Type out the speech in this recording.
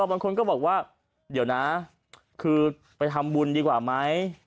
บางคนก็บอกว่าเดี๋ยวนะคือไปทำบุญดีกว่าไหม